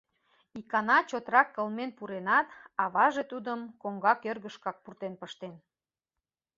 Икана чотрак кылмен пуренат, аваже тудым коҥга кӧргышкак пуртен пыштен.